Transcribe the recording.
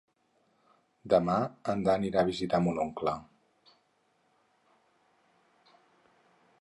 Demà en Dan irà a visitar mon oncle.